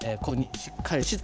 しっかりと。